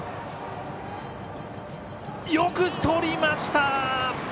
よくとりました！